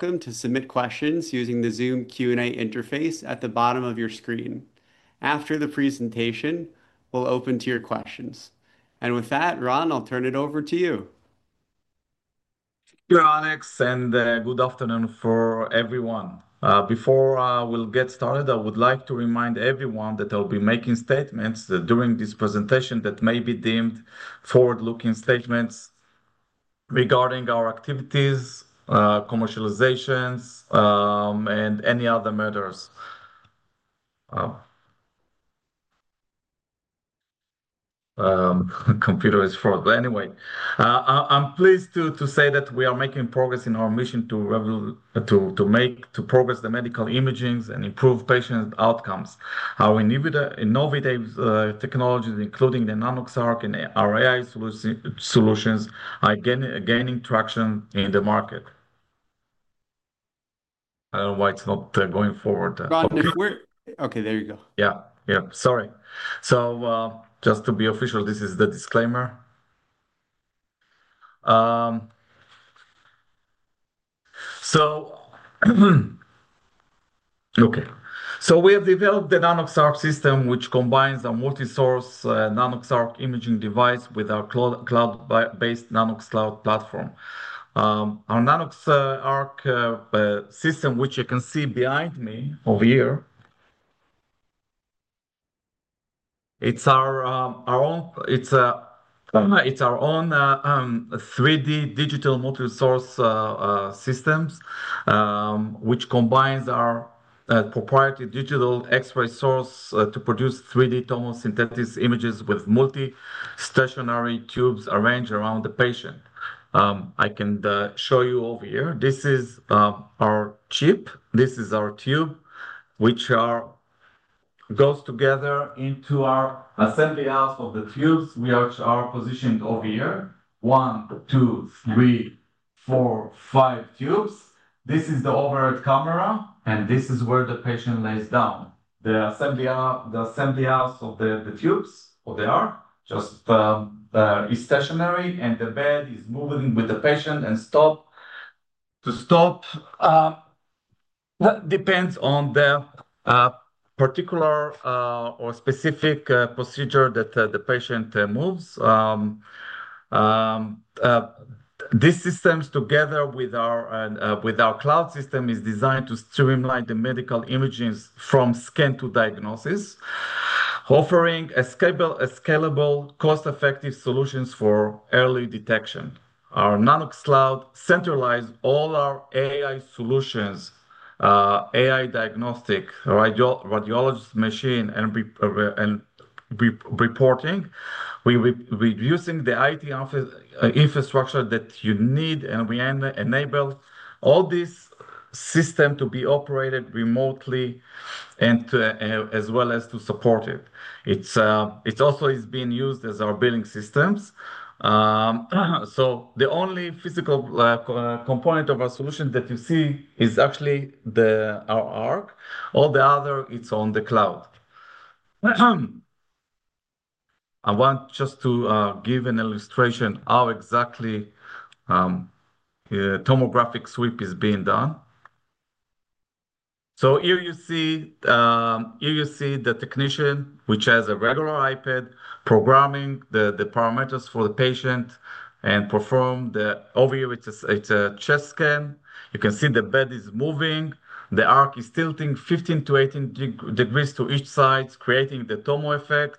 Welcome. To submit questions using the Zoom Q&A interface at the bottom of your screen. After the presentation, we'll open to your questions. With that, Ran, I'll turn it over to you. Thank you, Alex, and good afternoon for everyone. Before we get started, I would like to remind everyone that I'll be making statements during this presentation that may be deemed forward-looking statements regarding our activities, commercializations, and any other matters. Computer is frozen. Anyway, I'm pleased to say that we are making progress in our mission to make progress in the medical imaging and improve patient outcomes. Our innovative technologies, including the Nanox.ARC and our AI solutions, are gaining traction in the market. I don't know why it's not going forward. Okay, there you go. Yeah, yeah, sorry. Just to be official, this is the disclaimer. Okay, we have developed the Nanox.ARC system, which combines a multi-source Nanox.ARC imaging device with our cloud-based Nanox.CLOUD platform. Our Nanox.ARC system, which you can see behind me over here, it's our own 3D digital multi-source systems, which combines our proprietary digital X-ray source to produce 3D tomosynthetic images with multi-stationary tubes arranged around the patient. I can show you over here. This is our chip. This is our tube, which goes together into our assembly house of the tubes which are positioned over here. One, two, three, four, five tubes. This is the overhead camera, and this is where the patient lies down. The assembly house of the tubes, or they are, just is stationary, and the bed is moving with the patient and stop to stop. That depends on the particular or specific procedure that the patient moves. This system, together with our cloud system, is designed to streamline the medical imaging from scan to diagnosis, offering scalable, cost-effective solutions for early detection. Our Nanox.CLOUD centralizes all our AI solutions, AI diagnostic, radiologist machine, and reporting. We're using the IT infrastructure that you need, and we enable all this system to be operated remotely and as well as to support it. It also is being used as our billing systems. The only physical component of our solution that you see is actually our ARC. All the other, it's on the cloud. I want just to give an illustration of how exactly a tomographic sweep is being done. Here you see the technician, which has a regular iPad, programming the parameters for the patient and performing the overview. It's a chest scan. You can see the bed is moving. The Arc is tilting 15-18 degrees to each side, creating the tomo effect.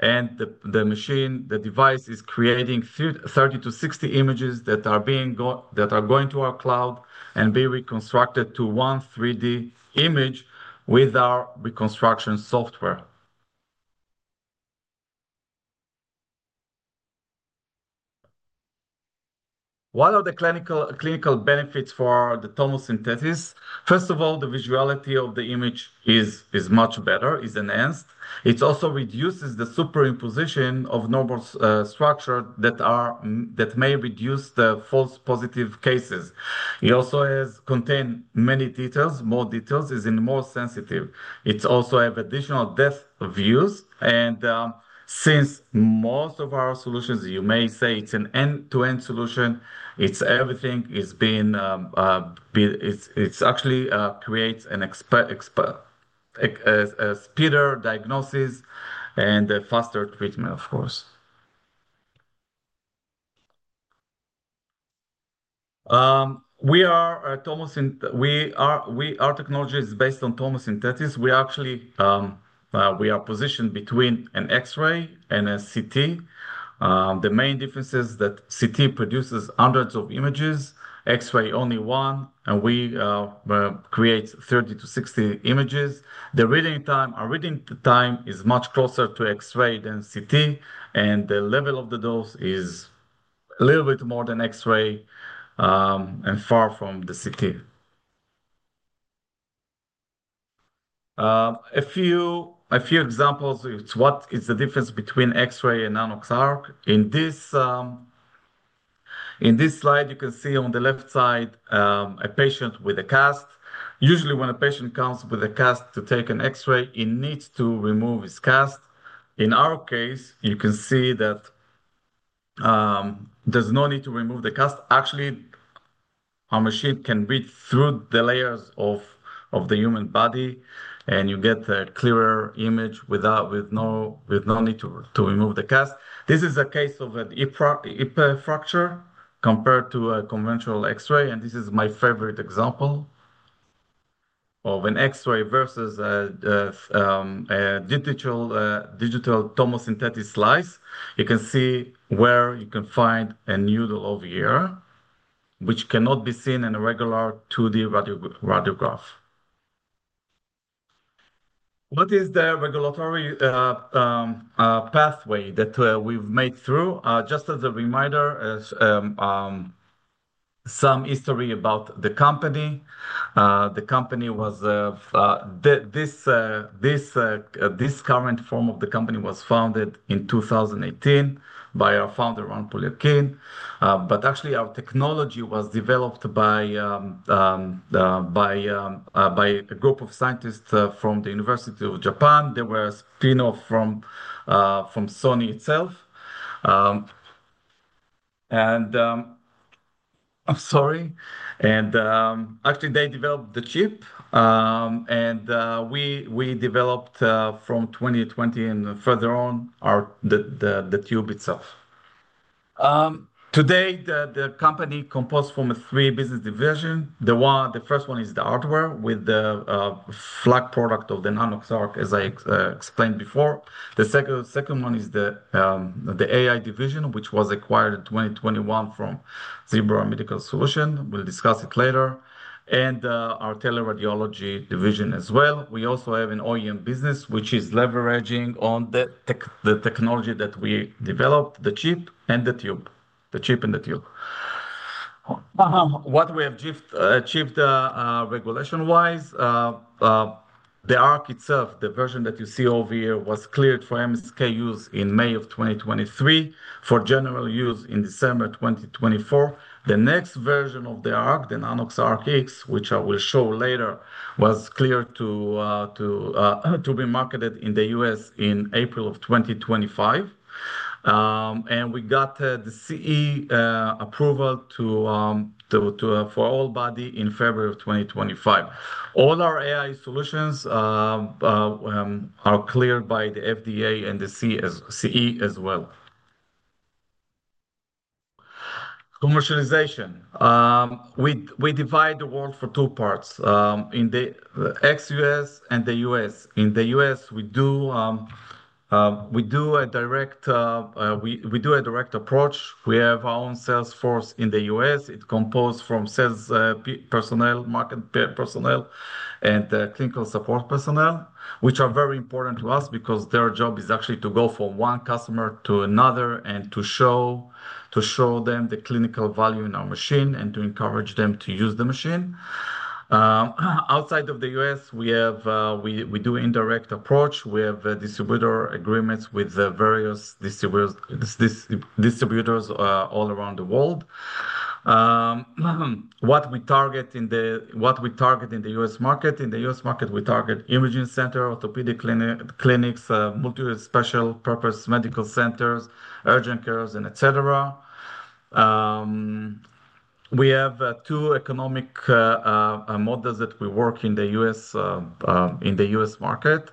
The machine, the device, is creating 30-60 images that are going to our cloud and being reconstructed to one 3D image with our reconstruction software. What are the clinical benefits for the tomosynthesis? First of all, the visuality of the image is much better, is enhanced. It also reduces the superimposition of normal structures that may reduce the false positive cases. It also contains many details. More details is more sensitive. It also has additional depth of views. Since most of our solutions, you may say it is an end-to-end solution, everything is being, it actually creates a speeder diagnosis and faster treatment, of course. We are tomosynthetic. Our technology is based on tomosynthesis. We are positioned between an X-ray and a CT. The main difference is that CT produces hundreds of images, X-ray only one, and we create 30-60 images. The reading time is much closer to X-ray than CT, and the level of the dose is a little bit more than X-ray and far from the CT. A few examples of what is the difference between X-ray and Nanox.ARC. In this slide, you can see on the left side a patient with a cast. Usually, when a patient comes with a cast to take an X-ray, he needs to remove his cast. In our case, you can see that there's no need to remove the cast. Actually, our machine can read through the layers of the human body, and you get a clearer image with no need to remove the cast. This is a case of a hip fracture compared to a conventional X-ray. This is my favorite example of an X-ray versus a digital tomosynthetic slice. You can see where you can find a needle over here, which cannot be seen in a regular 2D radiograph. What is the regulatory pathway that we have made through? Just as a reminder, some history about the company. The company was, this current form of the company was founded in 2018 by our founder, Ran Poliakine. Actually, our technology was developed by a group of scientists from the University of Japan. They were a spinoff from Sony itself. I'm sorry. Actually, they developed the chip, and we developed from 2020 and further on the tube itself. Today, the company is composed from three business divisions. The first one is the hardware with the flag product of the Nanox.ARC, as I explained before. The second one is the AI division, which was acquired in 2021 from Zebra Medical Solution. We'll discuss it later. Our teleradiology division as well. We also have an OEM business, which is leveraging on the technology that we developed, the chip and the tube. What we have achieved regulation-wise, the ARC itself, the version that you see over here, was cleared for MSK use in May of 2023, for general use in December 2024. The next version of the ARC, the Nanox.ARC X, which I will show later, was cleared to be marketed in the US in April of 2025. We got the CE approval for all body in February of 2025. All our AI solutions are cleared by the FDA and the CE as well. Commercialization. We divide the world for two parts, in the ex-U.S. and the U.S. In the U.S., we do a direct approach. We have our own sales force in the U.S. It's composed of sales personnel, market personnel, and clinical support personnel, which are very important to us because their job is actually to go from one customer to another and to show them the clinical value in our machine and to encourage them to use the machine. Outside of the U.S., we do an indirect approach. We have distributor agreements with various distributors all around the world. What we target in the U.S. market, we target imaging centers, orthopedic clinics, multi-special purpose medical centers, urgent cares, and etc. We have two economic models that we work in the U.S. market.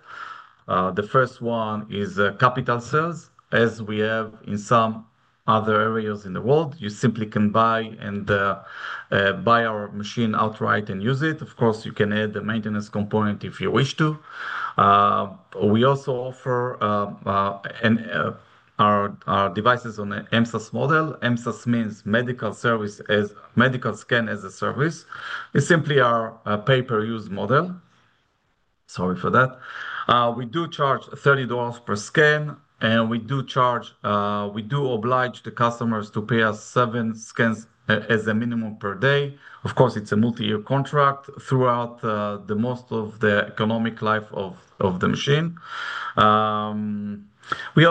The first one is capital sales, as we have in some other areas in the world. You simply can buy and buy our machine outright and use it. Of course, you can add the maintenance component if you wish to. We also offer our devices on an MSaaS model. MSaaS means Medical Scan as a Service. It's simply our pay-per-use model. Sorry for that. We do charge $30 per scan, and we do oblige the customers to pay us seven scans as a minimum per day. Of course, it's a multi-year contract throughout most of the economic life of the machine.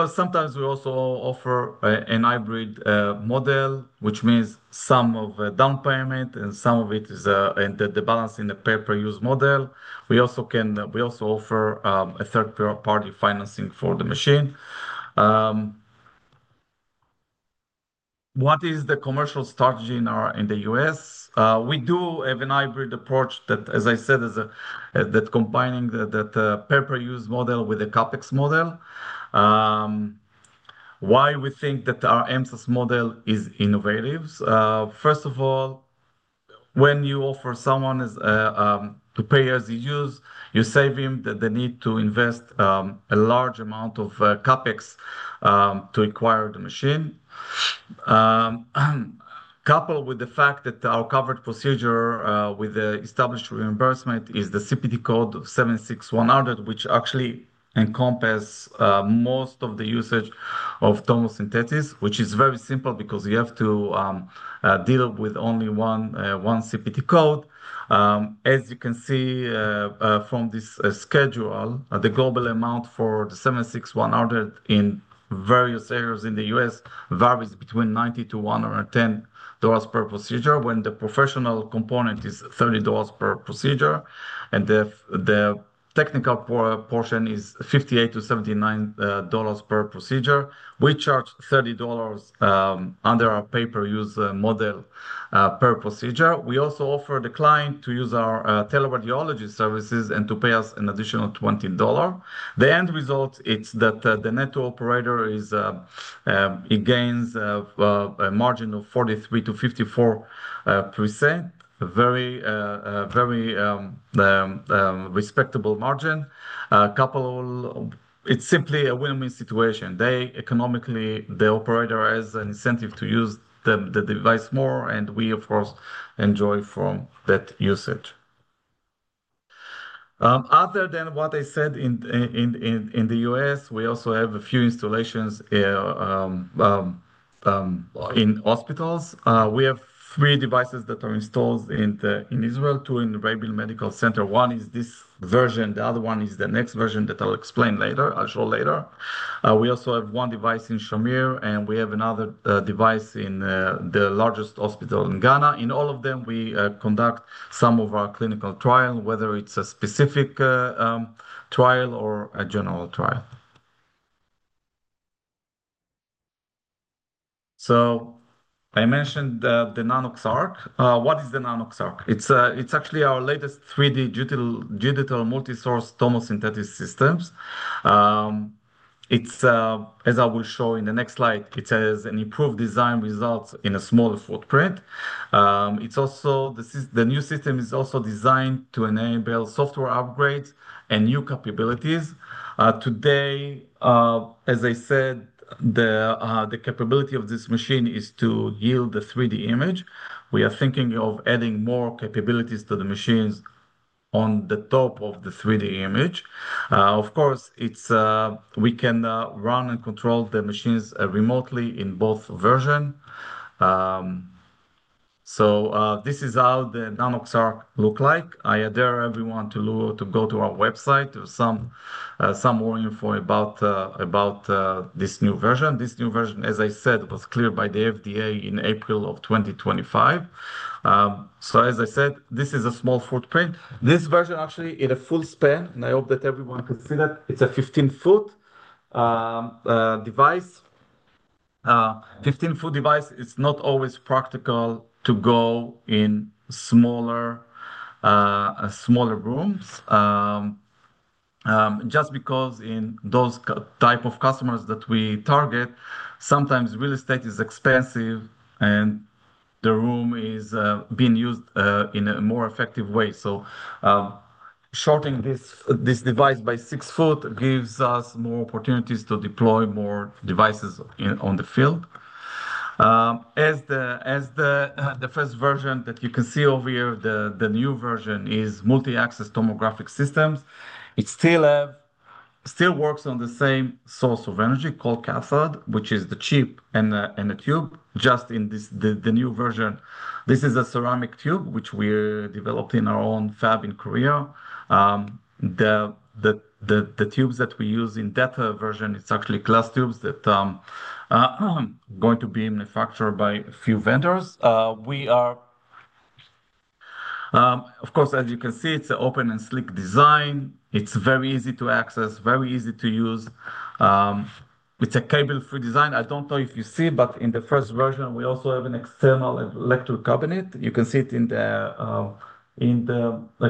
Sometimes we also offer a hybrid model, which means some of the down payment and some of it is the balance in the pay-per-use model. We also offer a third-party financing for the machine. What is the commercial strategy in the U.S.? We do have a hybrid approach that, as I said, is that combining the pay-per-use model with the CapEx model. Why we think that our MSaaS model is innovative? First of all, when you offer someone to pay as he uses, you save him the need to invest a large amount of CapEx to acquire the machine. Coupled with the fact that our covered procedure with the established reimbursement is the CPT code 76100, which actually encompasses most of the usage of tomosynthesis, which is very simple because you have to deal with only one CPT code. As you can see from this schedule, the global amount for the 76100 in various areas in the U.S. varies between $90-$110 per procedure when the professional component is $30 per procedure, and the technical portion is $58-$79 per procedure. We charge $30 under our pay-per-use model per procedure. We also offer the client to use our teleradiology services and to pay us an additional $20. The end result is that the net operator gains a margin of 43-54%, a very respectable margin. It's simply a win-win situation. Economically, the operator has an incentive to use the device more, and we, of course, enjoy from that usage. Other than what I said in the U.S., we also have a few installations in hospitals. We have three devices that are installed in Israel, two in Rabin Medical Center. One is this version. The other one is the next version that I'll explain later. I'll show later. We also have one device in Shamir, and we have another device in the largest hospital in Ghana. In all of them, we conduct some of our clinical trials, whether it's a specific trial or a general trial. I mentioned the Nanox.ARC. What is the Nanox.ARC? It's actually our latest 3D digital multi-source tomosynthesis systems. As I will show in the next slide, it has an improved design result in a smaller footprint. The new system is also designed to enable software upgrades and new capabilities. Today, as I said, the capability of this machine is to yield the 3D image. We are thinking of adding more capabilities to the machines on the top of the 3D image. Of course, we can run and control the machines remotely in both versions. This is how the Nanox.ARC looks like. I adhere everyone to go to our website for some more info about this new version. This new version, as I said, was cleared by the FDA in April of 2025. As I said, this is a small footprint. This version actually is a full span, and I hope that everyone can see that. It's a 15-foot device. 15-foot device is not always practical to go in smaller rooms just because in those types of customers that we target, sometimes real estate is expensive and the room is being used in a more effective way. Shortening this device by 6 foot gives us more opportunities to deploy more devices on the field. As the first version that you can see over here, the new version is multi-axis tomographic systems. It still works on the same source of energy called cathode, which is the chip and the tube. Just in the new version, this is a ceramic tube which we developed in our own fab in Korea. The tubes that we use in that version, it's actually glass tubes that are going to be manufactured by a few vendors. Of course, as you can see, it's an open and slick design. It's very easy to access, very easy to use. It's a cable-free design. I don't know if you see, but in the first version, we also have an external electric cabinet. You can see it in the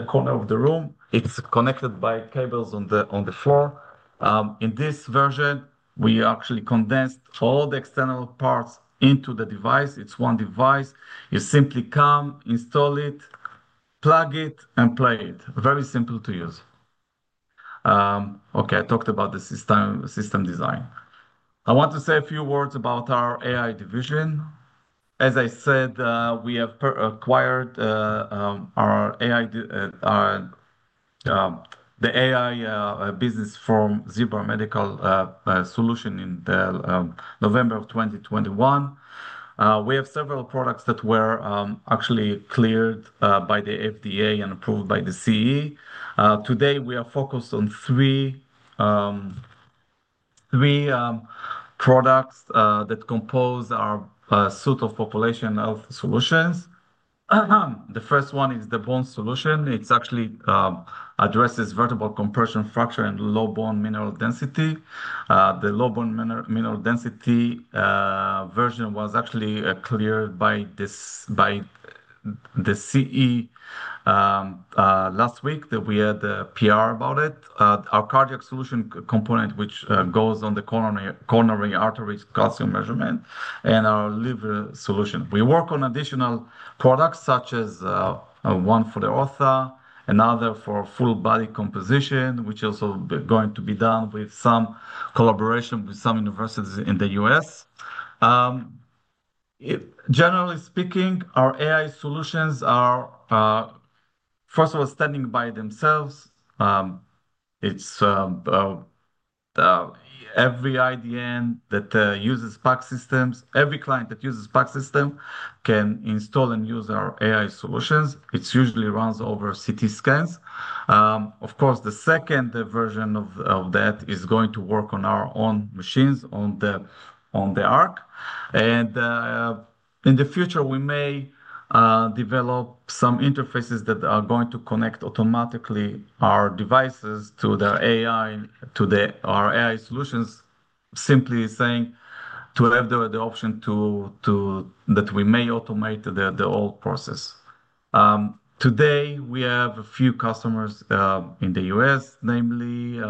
corner of the room. It's connected by cables on the floor. In this version, we actually condensed all the external parts into the device. It's one device. You simply come, install it, plug it, and play it. Very simple to use. Okay, I talked about the system design. I want to say a few words about our AI division. As I said, we have acquired the AI business from Zebra Medical Solution in November of 2021. We have several products that were actually cleared by the FDA and approved by the CE. Today, we are focused on three products that compose our suite of population health solutions. The first one is the Bone Solution. It actually addresses vertebral compression fracture and low bone mineral density. The low bone mineral density version was actually cleared by the CE last week that we had PR about it. Our Cardiac Solution component, which goes on the coronary artery calcium measurement, and our Liver Solution. We work on additional products such as one for the ortho, another for full body composition, which is also going to be done with some collaboration with some universities in the U.S. Generally speaking, our AI solutions are, first of all, standing by themselves. Every IDN that uses PAC systems, every client that uses PAC system can install and use our AI solutions. It usually runs over CT scans. Of course, the second version of that is going to work on our own machines on the ARC. In the future, we may develop some interfaces that are going to connect automatically our devices to our AI solutions, simply saying to have the option that we may automate the whole process. Today, we have a few customers in the U.S., namely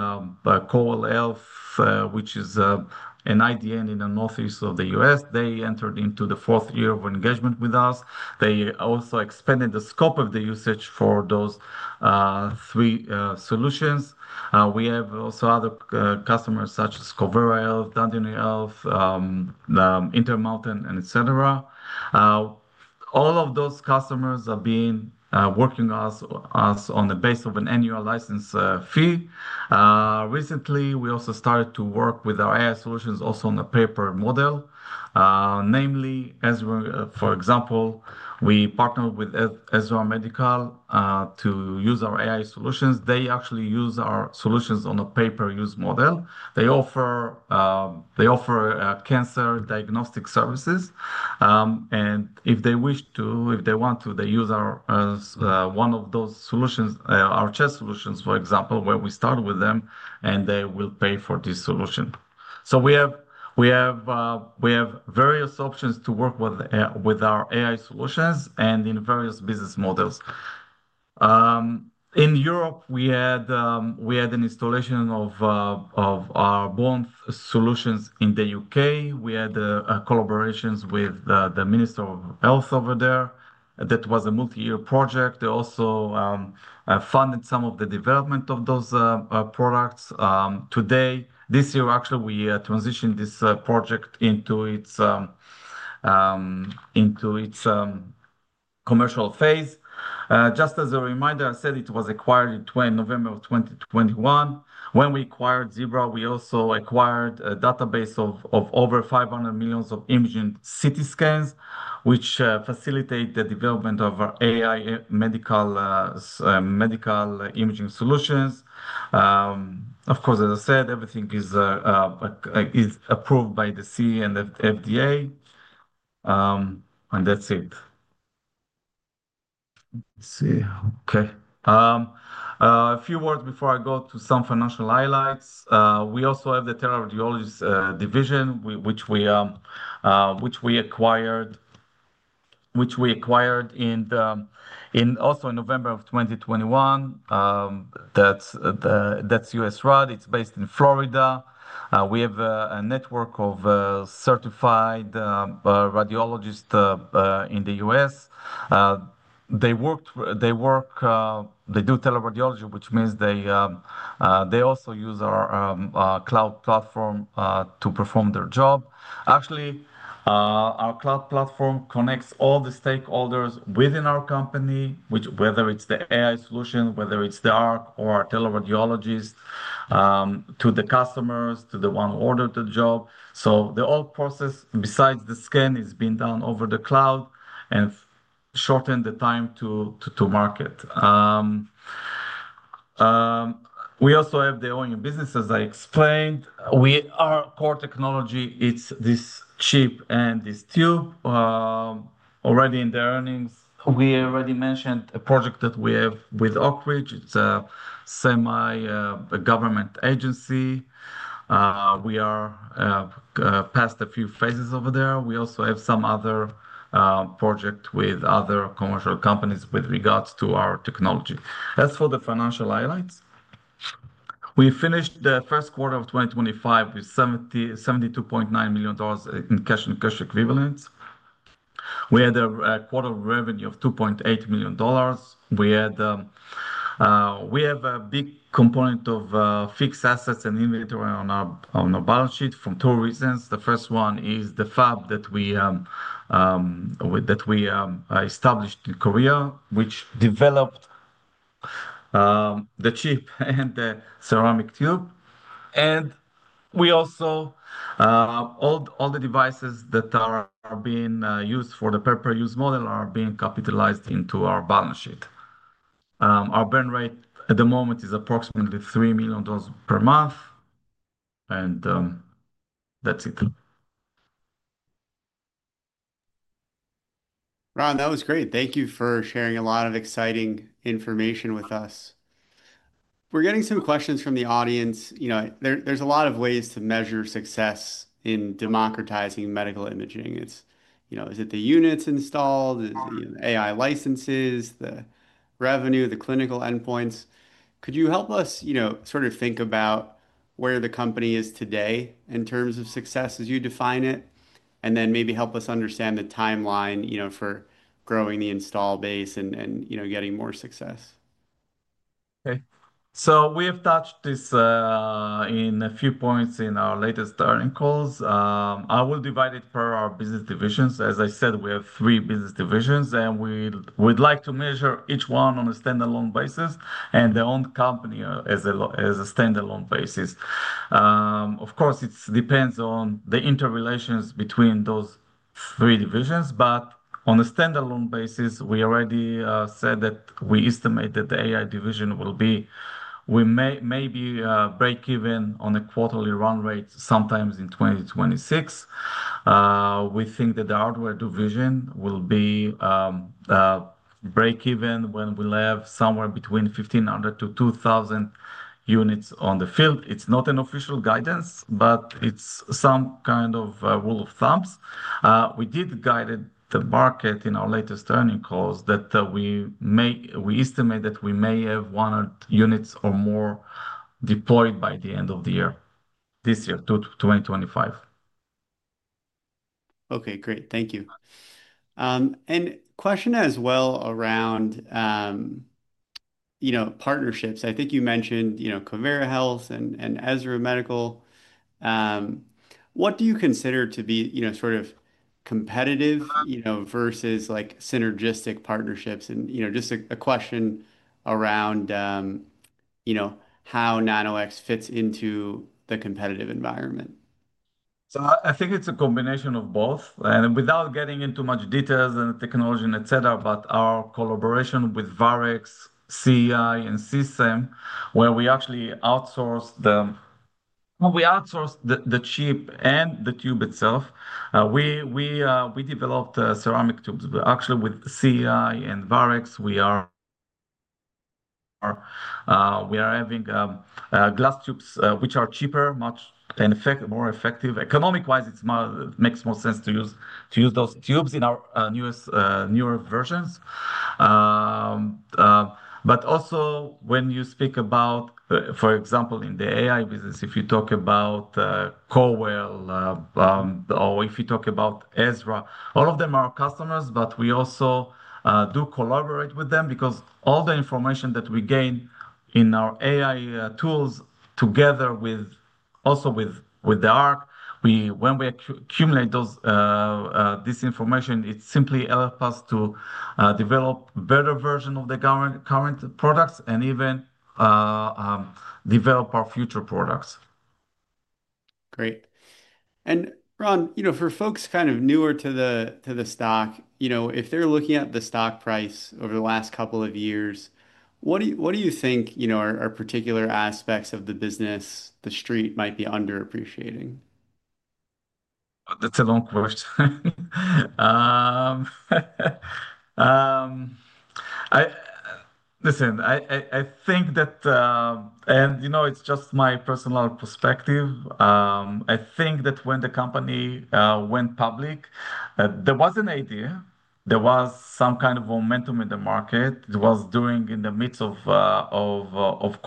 Corewell Health, which is an IDN in the northeast of the U.S.. They entered into the fourth year of engagement with us. They also expanded the scope of the usage for those three solutions. We have also other customers such as Covera Health, Dandelion Health, Intermountain, etc. All of those customers are working with us on the basis of an annual license fee. Recently, we also started to work with our AI solutions also on a pay-per-use model. Namely, for example, we partnered with Ezra Medical to use our AI solutions. They actually use our solutions on a pay-per-use model. They offer cancer diagnostic services. If they wish to, if they want to, they use one of those solutions, our chest solutions, for example, where we start with them, and they will pay for this solution. We have various options to work with our AI solutions and in various business models. In Europe, we had an installation of our bone solutions in the U.K. We had collaborations with the Minister of Health over there. That was a multi-year project. They also funded some of the development of those products. This year, actually, we transitioned this project into its commercial phase. Just as a reminder, I said it was acquired in November of 2021. When we acquired Zebra, we also acquired a database of over 500 million imaging CT scans, which facilitate the development of our AI medical imaging solutions. Of course, as I said, everything is approved by the CE and the FDA. That is it. Let's see. Okay. A few words before I go to some financial highlights. We also have the teleradiology division, which we acquired also in November of 2021. That is USRAD. It is based in Florida. We have a network of certified radiologists in the U.S. They work, they do teleradiology, which means they also use our cloud platform to perform their job. Actually, our cloud platform connects all the stakeholders within our company, whether it is the AI solution, whether it is the ARC or our teleradiologist, to the customers, to the one who ordered the job. The whole process, besides the scan, is being done over the cloud and shortened the time to market. We also have the OEM business, as I explained. Our core technology, it is this chip and this tube. Already in the earnings, we already mentioned a project that we have with Oak Ridge. It's a semi-government agency. We are past a few phases over there. We also have some other projects with other commercial companies with regards to our technology. As for the financial highlights, we finished the first quarter of 2025 with $72.9 million in cash and cash equivalents. We had a quarter revenue of $2.8 million. We have a big component of fixed assets and inventory on our balance sheet for two reasons. The first one is the fab that we established in Korea, which developed the chip and the ceramic tube. We also, all the devices that are being used for the pay-per-use model are being capitalized into our balance sheet. Our burn rate at the moment is approximately $3 million per month. That's it. Ran, that was great. Thank you for sharing a lot of exciting information with us. We're getting some questions from the audience. There's a lot of ways to measure success in democratizing medical imaging. Is it the units installed, the AI licenses, the revenue, the clinical endpoints? Could you help us sort of think about where the company is today in terms of success as you define it? And then maybe help us understand the timeline for growing the install base and getting more success. Okay. So we have touched this in a few points in our latest learning calls. I will divide it per our business divisions. As I said, we have three business divisions, and we'd like to measure each one on a standalone basis and the own company as a standalone basis. Of course, it depends on the interrelations between those three divisions. On a standalone basis, we already said that we estimate that the AI division will be maybe break-even on a quarterly run rate sometime in 2026. We think that the hardware division will be break-even when we have somewhere between 1,500-2,000 units on the field. It is not an official guidance, but it is some kind of rule of thumb. We did guide the market in our latest earnings calls that we estimate that we may have 100 units or more deployed by the end of the year, this year, 2025. Okay, great. Thank you. A question as well around partnerships. I think you mentioned Covera Health and Ezra Medical. What do you consider to be sort of competitive versus synergistic partnerships? Just a question around how Nano-X fits into the competitive environment. I think it is a combination of both. Without getting into much details and technology, etc., our collaboration with Varex, CEI, and CSAM, where we actually outsource the chip and the tube itself, we developed ceramic tubes. Actually, with CEI and Varex, we are having glass tubes, which are cheaper, much more effective. Economic-wise, it makes more sense to use those tubes in our newer versions. Also, when you speak about, for example, in the AI business, if you talk about Corewell, or if you talk about Ezra, all of them are customers, but we also do collaborate with them because all the information that we gain in our AI tools together also with the ARC, when we accumulate this information, it simply helps us to develop a better version of the current products and even develop our future products. Great. Ran, for folks kind of newer to the stock, if they're looking at the stock price over the last couple of years, what do you think are particular aspects of the business the street might be underappreciating? That's a long question. Listen, I think that, and it's just my personal perspective, I think that when the company went public, there was an idea. There was some kind of momentum in the market. It was during the midst of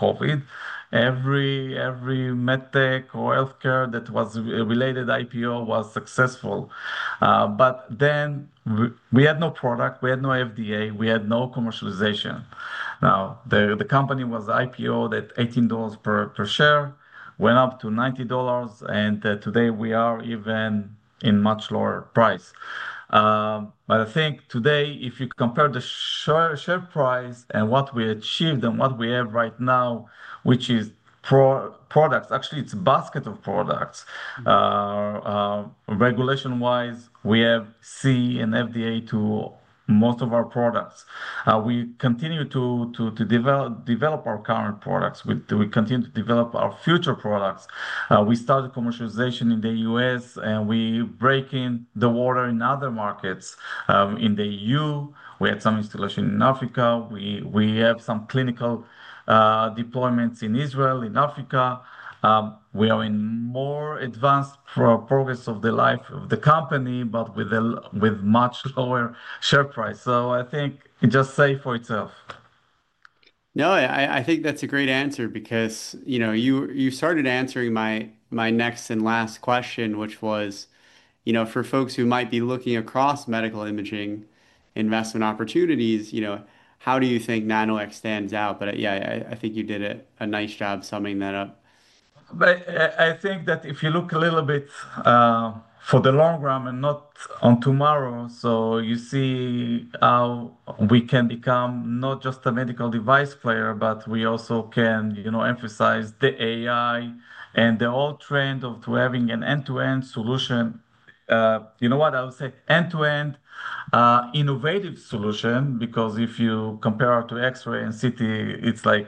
COVID. Every med tech or healthcare that was related IPO was successful. We had no product. We had no FDA. We had no commercialization. The company was IPO at $18 per share, went up to $90, and today we are even in much lower price. I think today, if you compare the share price and what we achieved and what we have right now, which is products, actually, it's a basket of products. Regulation-wise, we have CE and FDA to most of our products. We continue to develop our current products. We continue to develop our future products. We started commercialization in the U.S., and we're breaking the water in other markets in the EU. We had some installation in Africa. We have some clinical deployments in Israel, in Africa. We are in more advanced progress of the life of the company, but with much lower share price. I think it just says for itself. No, I think that's a great answer because you started answering my next and last question, which was for folks who might be looking across medical imaging investment opportunities, how do you think Nano-X stands out? Yeah, I think you did a nice job summing that up. I think that if you look a little bit for the long run and not on tomorrow, you see how we can become not just a medical device player, but we also can emphasize the AI and the whole trend of having an end-to-end solution. You know what? I would say end-to-end innovative solution because if you compare it to X-ray and CT, it's like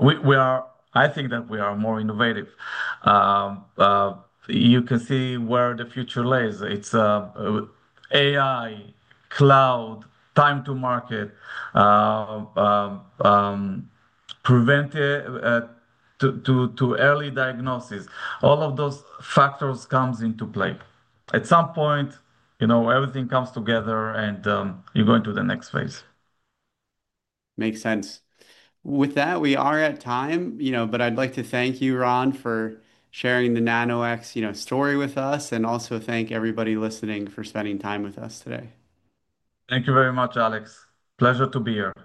we are, I think that we are more innovative. You can see where the future lies. It's AI, cloud, time to market, preventive to early diagnosis. All of those factors come into play. At some point, everything comes together, and you go into the next phase. Makes sense. With that, we are at time, but I'd like to thank you, Ran, for sharing the Nano-X story with us, and also thank everybody listening for spending time with us today. Thank you very much, Alex. Pleasure to be here.